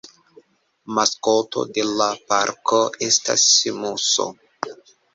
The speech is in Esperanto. Maskoto de la parko estas muso.